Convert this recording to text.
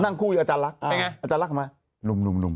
นั่งคู่อาจารย์ลักษณ์